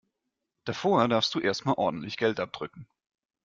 Davor darfst du erst mal ordentlich Geld abdrücken.